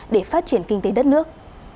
để phát triển kinh tế đất nước